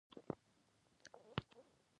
بې ادبي مه کوه.